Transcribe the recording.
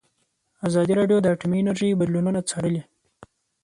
ازادي راډیو د اټومي انرژي بدلونونه څارلي.